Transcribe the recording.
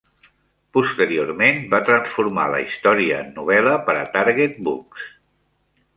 Posteriorment va transformar la història en novel·la per a Target Books.